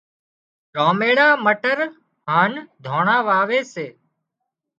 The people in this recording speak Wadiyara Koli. راميڙا مٽر هانَ داڻا واوي سي